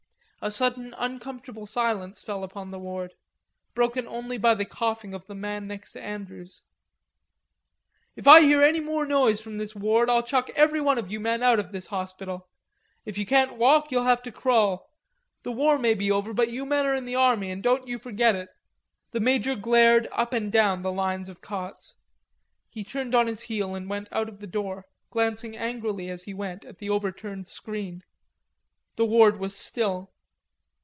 A sudden uncomfortable silence fell upon the ward; broken only by the coughing of the man next to Andrews. "If I hear any more noise from this ward, I'll chuck everyone of you men out of this hospital; if you can't walk you'll have to crawl.... The war may be over, but you men are in the Army, and don't you forget it." The major glared up and down the lines of cots. He turned on his heel and went out of the door, glancing angrily as he went at the overturned screen. The ward was still.